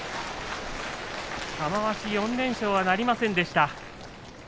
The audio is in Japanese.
玉鷲４連勝はなりませんでした。